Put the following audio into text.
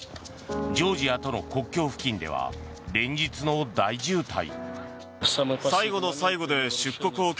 ジョージアとの国境付近では連日の大渋滞。